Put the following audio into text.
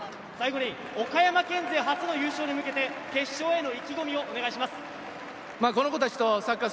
岡山県勢初の優勝に向けて決勝への意気込みをお願いします。